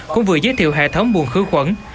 cũng vừa giới thiệu hệ thống buồng khứa khuẩn